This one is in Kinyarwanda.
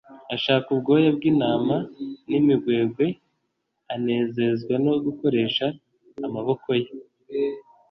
Ashaka ubwoya bw’intama n’imigwegwe, anezezwa no gukoresha amaboko ye